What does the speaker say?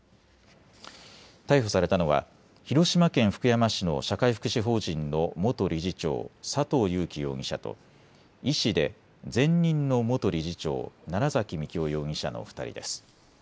逮捕されたのは広島県福山市の社会福祉法人の元理事長、佐藤裕紀容疑者と医師で前任の元理事長、楢崎幹雄容疑者の２人です。